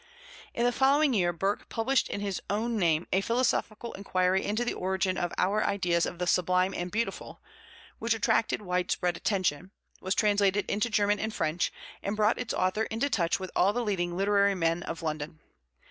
In the following year Burke published in his own name A Philosophical Inquiry into the Origin of our Ideas of the Sublime and Beautiful, which attracted widespread attention, was translated into German and French, and brought its author into touch with all the leading literary men of London.